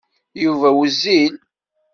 Yuba wezzil.